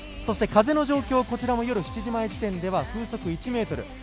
風の状況、こちらも夜７時前時点では風速１メートル。